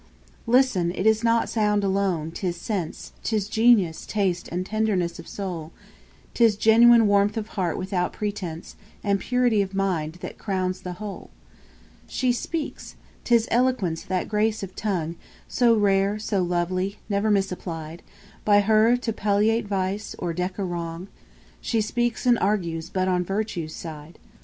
6. Listen! It is not sound alone, 'tis sense, 'Tis genius, taste, and tenderness of soul: 'Tis genuine warmth of heart without pretence, And purity of mind that crowns the whole. 7. She speaks! 'Tis eloquence, that grace of tongue, So rare, so lovely, never misapplied By her, to palliate vice, or deck a wrong: She speaks and argues but on virtue's side.